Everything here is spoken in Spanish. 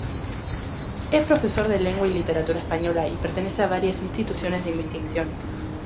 Es profesor de Lengua y Literatura española y pertenece a varias instituciones de investigación.